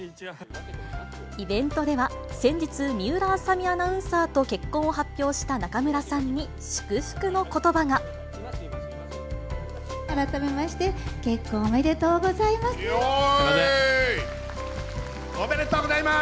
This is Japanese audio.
イベントでは、先日、水卜麻美アナウンサーと結婚を発表した中村さんに、祝福のことば改めまして、結婚おめでとうおめでとうございます。